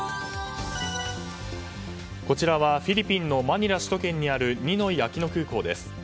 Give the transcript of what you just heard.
こちらはフィリピンのマニラ首都圏にあるニノイ・アキノ空港です。